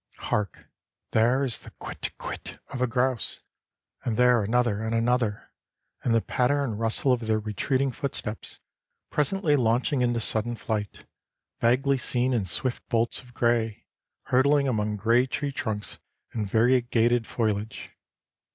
Hark! There is the quit! quit! of a grouse, and there another and another, and the patter and rustle of their retreating footsteps, presently launching into sudden flight, vaguely seen in swift bolts of gray, hurtling among gray tree trunks and variegated foliage.